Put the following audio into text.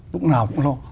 lúc nào cũng lo